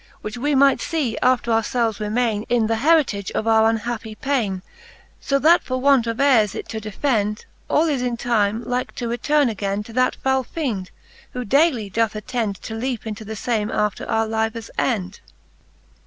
Which we might fee after our felves remaine. In th'heritage of our unhappie paine : So that for want of heires it to defend. All is in time like to returne againe To that foul feend, who dayly doth attend To leape into the fame after our lives end.